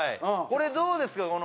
これどうですか？